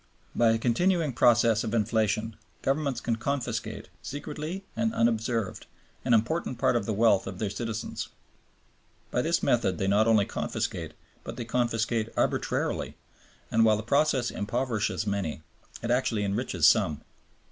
By a continuing process of inflation, governments can confiscate, secretly and unobserved, an important part of the wealth of their citizens. By this method they not only confiscate, but they confiscate arbitrarily; and, while the process impoverishes many, it actually enriches some.